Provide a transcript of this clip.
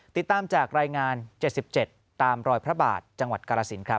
ติดตามจากรายงาน๗๗ตามรอยพระบาทจังหวัดกรสินครับ